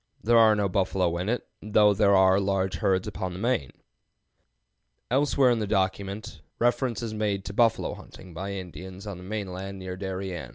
There are no buffalo in it, though there are large herds upon the main." Elsewhere in the same document (p. 122) reference is made to buffalo hunting by Indians on the main land near Darien.